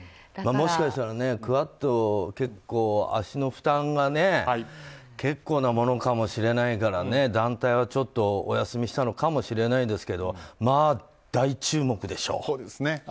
もしかしたらクアッドは足の負担が結構なものかもしれないから団体はちょっとお休みしたのかもしれないんですけど大注目でしょう。